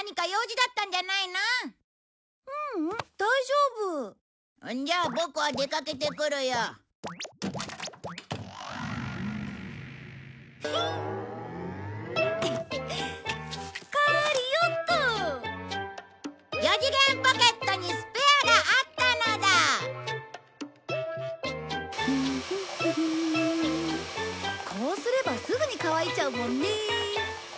こうすればすぐに乾いちゃうもんね。